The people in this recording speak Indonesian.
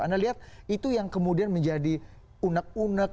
anda lihat itu yang kemudian menjadi unek unek